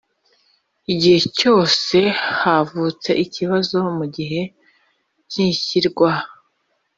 Igihe cyose havutse ikibazo mu gihe cy ishyirwa